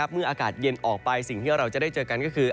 เมื่ออากาศเย็นออกไปสิ่งที่เราจะได้เจอกันก็คือ